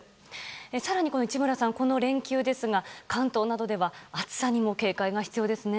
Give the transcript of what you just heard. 更に市村さん、この連休ですが関東などでは暑さにも警戒が必要ですね。